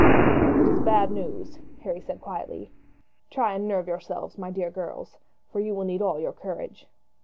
"It is bad news," Harry said quietly. "Try and nerve yourselves, my dear girls, for you will need all your courage.